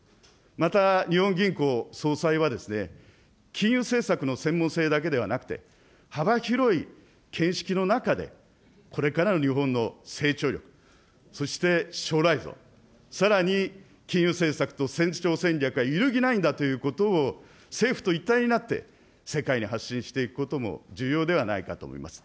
また、日本銀行総裁は金融政策の専門性だけではなく、幅広い見識の中で、これからの日本の成長力、そして将来像、さらに金融政策と成長戦略が揺るぎないんだということを政府と一体になって世界に発信していくことも重要ではないかと思います。